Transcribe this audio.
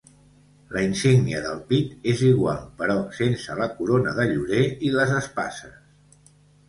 La insígnia del pit és igual, però sense la corona de llorer i les espases.